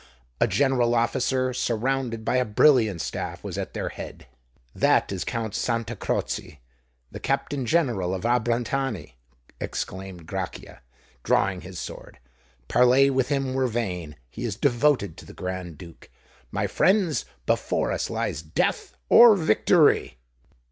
A general officer, surrounded by a brilliant staff, was at their head. "That is Count Santa Croce, the Captain General of Abrantani!" exclaimed Grachia, drawing his sword. "Parley with him were vain—he is devoted to the Grand Duke. My friends, before us lies death or victory!"